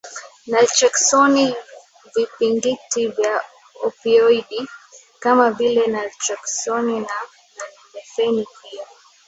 naltreksoniVipingiti vya opioidi kama vile naltreksoni na nalmefeni pia